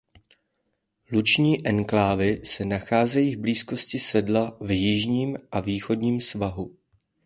Luční enklávy se nacházejí v blízkosti sedla v jižním a východním svahu.